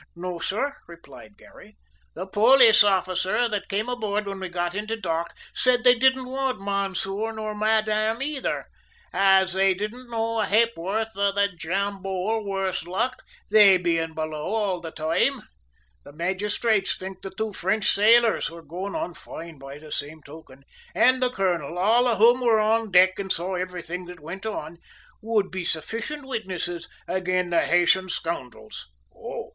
"No, sor," replied Garry. "The polis officers that came aboard whin we got into dock sid they didn't want monsieur nor madame neither, as they didn't know a ha'porth of the jambolle, worse luck, they bein' below all the toime. The magistrates think the two French sailors, who're goin' on foine by the same token, and the colonel, all of whom were on deck an' saw everything that went on, would be sufficient witnisses aga'n the Haytian scoundrels." "Oh!"